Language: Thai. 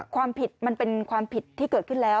ความผิดมันเป็นความผิดที่เกิดขึ้นแล้ว